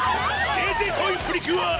「出てこいプリキュア！」